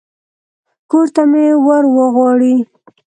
کور ته مې ور وغواړي.